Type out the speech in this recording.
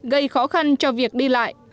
gây khó khăn cho việc đi lại